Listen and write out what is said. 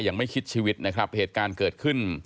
ยังไม่คิดชีวิตนะครับเหตุการณ์เกิดขึ้น